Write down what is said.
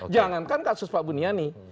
jangan kan kasus pak buniani